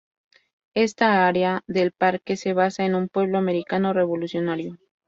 Esta área del parque se basa en un pueblo americano revolucionario.